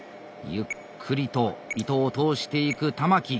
ゆっくりと糸を通していく玉木。